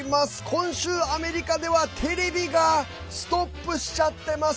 今週、アメリカではテレビがストップしちゃってます！